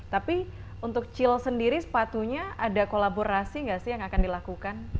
tapi untuk chill sendiri sepatunya ada kolaborasi nggak sih yang akan dilakukan